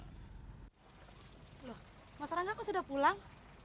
loh mas ranggaku sudah pulang